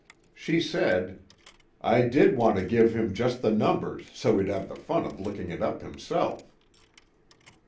She said: "I did want to give him just the numbers so he'd have the fun of looking it up himself."